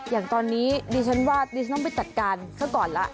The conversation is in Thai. อย่างตอนนี้ดิฉันว่าดิฉันต้องไปจัดการซะก่อนละ